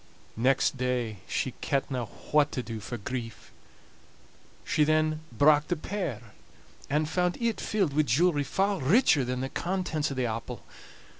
Next day she kentna what to do for grief. She then brak the pear, and found it filled wi' jewelry far richer than the contents o' the apple.